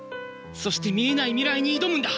そして見えない未来に挑むんだ！